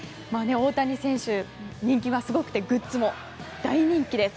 大谷選手、人気はすごくてグッズも大人気です。